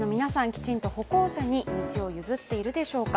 きちんと歩行者に道を譲っているでしょうか。